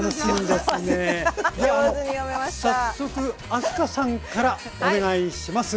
では早速明日香さんからお願いします。